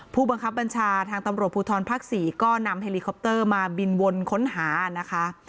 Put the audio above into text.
ผู้บังคับบัญชาทางตำรวจภูทรภาค๔ก็นำเฮลิคอปเตอร์มาบินวนค้นหานะคะ